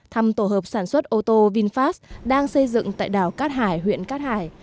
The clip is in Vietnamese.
thăm tổ hợp sản xuất ô tô vinfast đang xây dựng tại đảo cát hải huyện cát hải